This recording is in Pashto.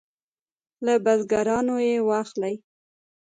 له بزګرانو یې واخلي.